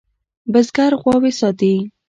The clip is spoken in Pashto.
بزگر غواوې ساتي.